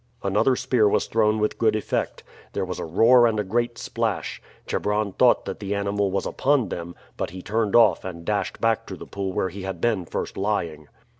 Another spear was thrown with good effect. There was a roar and a great splash. Chebron thought that the animal was upon them; but he turned off and dashed back to the pool where he had been first lying.